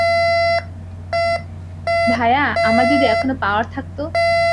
ভায়া, আমার যদি এখনও পাওয়ার থাকত!